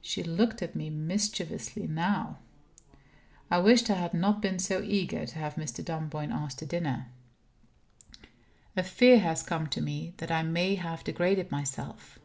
She looked at me mischievously now. I wished I had not been so eager to have Mr. Dunboyne asked to dinner. A fear has come to me that I may have degraded myself.